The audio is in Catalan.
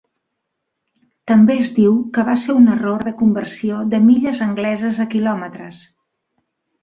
També es diu que va ser un error de conversió de milles angleses a quilòmetres.